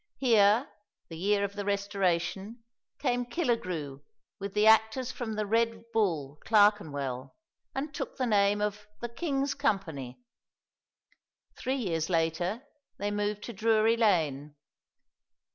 Here, the year of the Restoration, came Killigrew with the actors from the Red Bull, Clerkenwell, and took the name of the King's Company. Three years later they moved to Drury Lane.